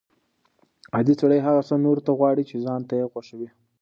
عادل سړی هغه څه نورو ته غواړي چې ځان ته یې خوښوي.